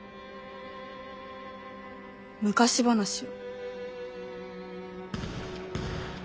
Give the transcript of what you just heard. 昔話を。